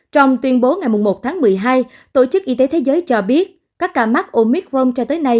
trong tuyên bố ngày một tháng một mươi hai tổ chức y tế thế giới cho biết các ca mắc omicron cho tới nay